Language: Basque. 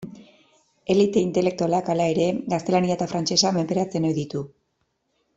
Elite intelektualak, hala ere, gaztelania eta frantsesa menperatzen ohi ditu.